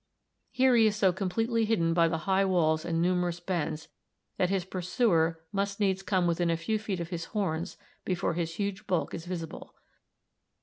Here he is so completely hidden by the high walls and numerous bends that his pursuer must needs come within a few feet of his horns before his huge bulk is visible.